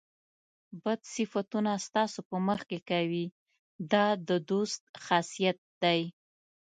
بد صفتونه ستاسو په مخ کې کوي دا د دوست خاصیت دی.